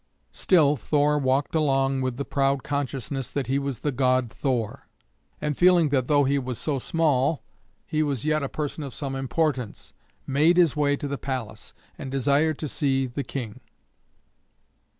Still Thor walked along with the proud consciousness that he was the god Thor; and feeling that though he was so small he was yet a person of some importance, made his way to the palace, and desired to see the King.